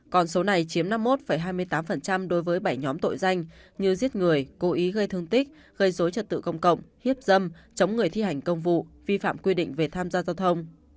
còn số này chiếm năm mươi một hai mươi tám đối với bảy nhóm tội danh như giết người cố ý gây thương tích gây dối trật tự công cộng hiếp dâm chống người thi hành công vụ vi phạm quy định về tham gia giao thông